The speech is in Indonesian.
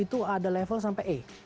itu ada level sampai e